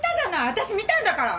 私見たんだから！